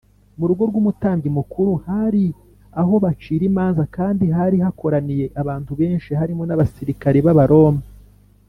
mu rugo rw’umutambyi mukuru hari aho bacira imanza kandi hari hakoraniye abantu benshi harimo n’abasirikare b’abaroma